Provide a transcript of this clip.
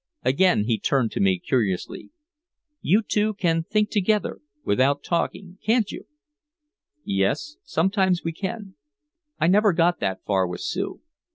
Again he turned to me curiously: "You two can think together without talking can't you?" "Yes sometimes we can." "I never got that far with Sue."